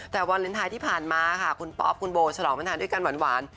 แต่วาเลนไทยที่ผ่านมาค่ะคุณป๊อปคุณโบฉลองวันทานด้วยกันหวาน